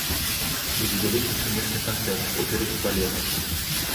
Будзе вялікі сумесны канцэрт оперы і балета.